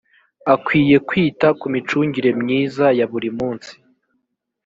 akwiye kwita ku micungire myiza ya buri munsi